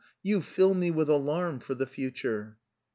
you fill me with alarm for the future."